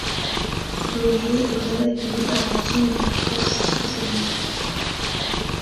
Le jeu est bien accueilli par l'ensemble de la presse spécialisée.